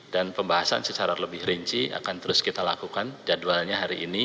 dan pembahasan secara lebih rinci akan terus kita lakukan jadwalnya hari ini